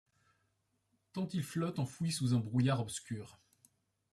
Tant il flotte enfoui sous un brouillard obscur